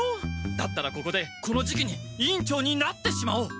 だったらここでこの時期に委員長になってしまおう！